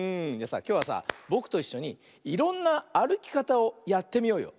きょうはさぼくといっしょにいろんなあるきかたをやってみようよ。